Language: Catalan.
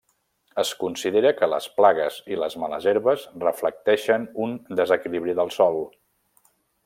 Es considera que les plagues i les males herbes reflecteixen un desequilibri del sòl.